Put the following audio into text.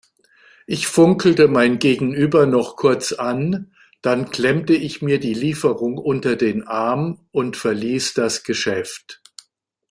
Ich funkelte mein Gegenüber noch kurz an, dann klemmte ich mir die Lieferung unter den Arm und verließ das Geschäft.